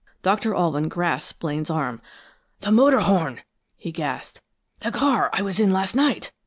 Doctor Alwyn grasped Blaine's arm. "The motor horn!" he gasped. "The car I was in last night!"